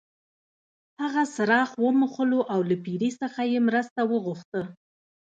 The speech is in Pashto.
هغه څراغ وموښلو او له پیري څخه یې مرسته وغوښته.